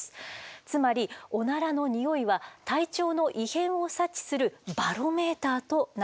つまりオナラのにおいは体調の異変を察知するバロメーターとなっているんでございます。